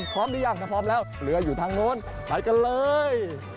พร้อมหรือยังถ้าพร้อมแล้วเหลืออยู่ทางโน้นไปกันเลย